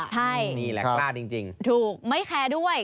ใช่นี่แหละกล้าจริงถูกไม่แคร์ด้วย